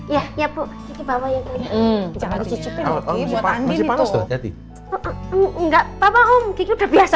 ya ya bu kita bawa yang kecil kecilnya ngomong ngomong enggak papa om udah biasa